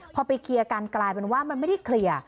พอไปเคลียร์กันกลายเป็นว่ามันไม่ได้เคลียร์